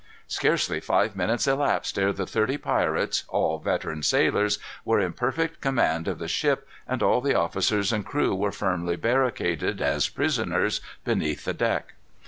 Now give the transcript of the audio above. Scarcely five minutes elapsed ere the thirty pirates, all veteran sailors, were in perfect command of the ship, and all the officers and crew were firmly barricaded, as prisoners, beneath the deck.